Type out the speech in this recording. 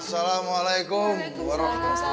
jangan lewat juga ga ada apa